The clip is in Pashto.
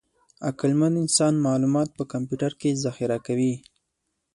عقلمن انسان معلومات په کمپیوټر کې ذخیره کوي.